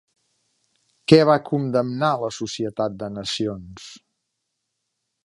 Què va condemnar la Societat de Nacions?